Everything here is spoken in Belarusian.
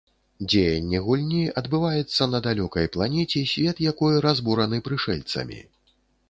Дзеянне гульні адбываецца на далёкай планеце, свет якой разбураны прышэльцамі.